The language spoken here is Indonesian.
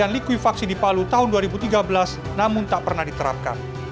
likuifaksi di palu tahun dua ribu tiga belas namun tak pernah diterapkan